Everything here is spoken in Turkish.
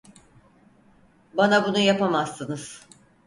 Bana bunu yapamazsınız.